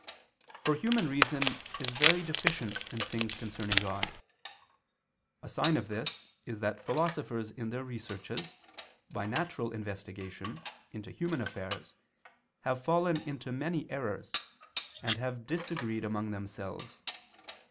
For human reason is very deficient in things concerning God. A sign of this is that philosophers in their researches, by natural investigation, into human affairs, have fallen into many errors, and have disagreed among themselves.